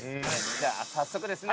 じゃあ早速ですね